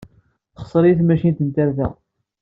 Texṣer-iyi tmacint n tarda.